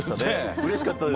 うれしかったです。